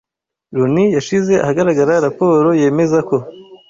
Loni yashize ahagaragara raporo yemeza ko